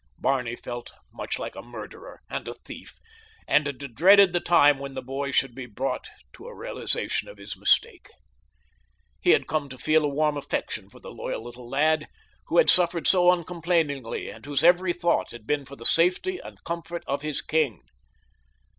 Barney felt much like a murderer and a thief, and dreaded the time when the boy should be brought to a realization of his mistake. He had come to feel a warm affection for the loyal little lad, who had suffered so uncomplainingly and whose every thought had been for the safety and comfort of his king.